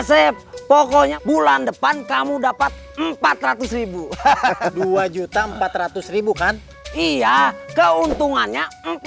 save pokoknya bulan depan kamu dapat empat ratus hahaha dua empat kan iya keuntungannya empat ratus